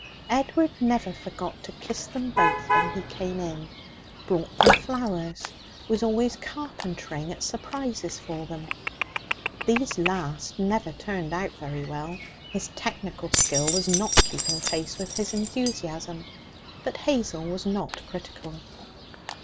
Edward never forgot to kiss them both when he came in; brought them flowers; was always carpentering at surprises for them. These last never turned out very well, his technical skill not keeping pace with his enthusiasm; but Hazel was not critical.